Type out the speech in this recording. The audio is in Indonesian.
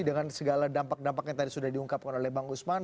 dengan segala dampak dampak yang tadi sudah diungkapkan oleh bang usman